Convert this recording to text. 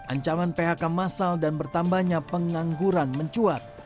ancaman phk masal dan bertambahnya pengangguran mencuat